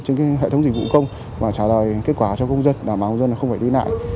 trên hệ thống dịch vụ công và trả lời kết quả cho công dân đảm bảo công dân không phải đi lại